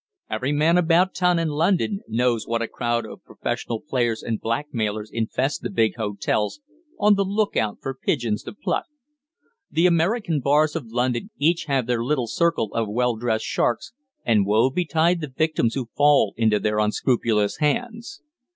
Every man about town in London knows what a crowd of professional players and blackmailers infest the big hotels, on the look out for pigeons to pluck. The American bars of London each have their little circle of well dressed sharks, and woe betide the victims who fall into their unscrupulous hands.